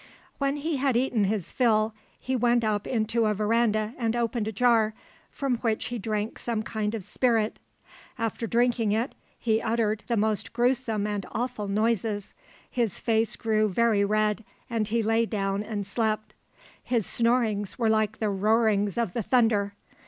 "When he had eaten his fill, he went up into a verandah and opened a jar, from which he drank some kind of spirit. After drinking it he uttered the most gruesome and awful noises; his face grew very red and he lay down and slept. His snorings were like the roarings of the thunder.